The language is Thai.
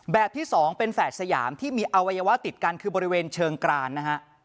ที่๒เป็นแฝดสยามที่มีอวัยวะติดกันคือบริเวณเชิงกรานนะฮะ